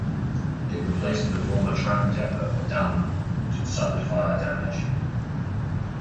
It replaced the former tram depot at Dalmarnock which had suffered fire damage.